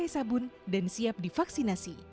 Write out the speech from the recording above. sabun dan siap divaksinasi